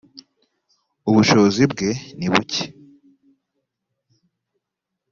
ubushobozi bwe nibuke.